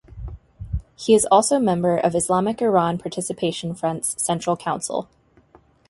He is Also member of Islamic Iran Participation Front's Central Council.